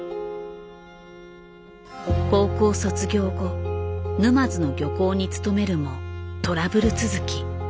高校卒業後沼津の漁港に勤めるもトラブル続き。